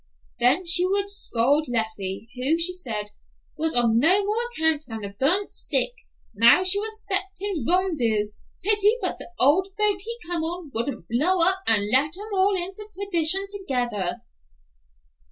Then she would scold Leffie, who, she said, "was of no more account than a burnt stick, now she was spectin' Rondeau. Pity but the boat he come on wouldn't blow up and let 'em all into perdition together."